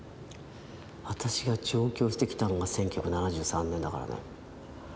私が上京してきたのが１９７３年だからな。